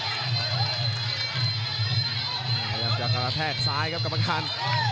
พยายามจะกระแทกซ้ายครับกรรมการ